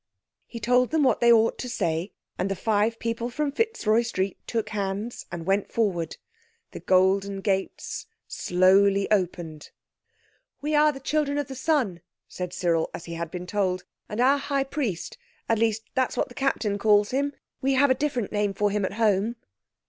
He told them what they ought to say, and the five people from Fitzroy Street took hands and went forward. The golden gates slowly opened. "We are the children of the Sun," said Cyril, as he had been told, "and our High Priest, at least that's what the Captain calls him. We have a different name for him at home."